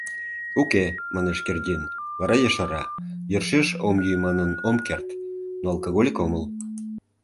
— Уке, — манеш Кердин, вара ешара: — Йӧршеш ом йӱ манын ом керт, но алкоголик омыл.